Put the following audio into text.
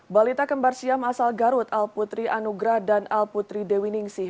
balita kembar siam asal garut al putri anugrah dan al putri dewi ningsih